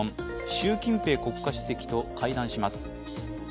習近平国家主席と会談します。